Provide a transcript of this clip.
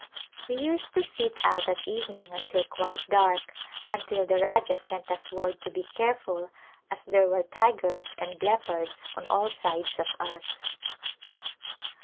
We used to sit out at evening until quite dark, un til the Rajah sent us word to be careful as there were tigers and leopards on all sides of us.